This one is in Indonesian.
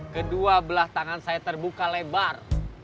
kedua belah tangan saya terbuka lebar